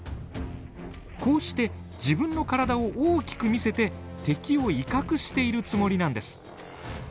こうして自分の体を大きく見せて敵を威嚇しているつもりなんです。